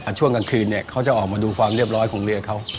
ช่วงกลางคืนเนี่ยเขาจะออกมาดูความเรียบร้อยของเรือเขา